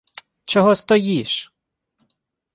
— Чого стоїш?